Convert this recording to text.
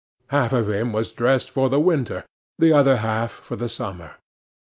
Half of him was dressed for the winter, the other half for the summer.